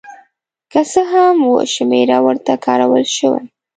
که څه هم اوه شمېره ورته کارول شوې.